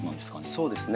そうですね。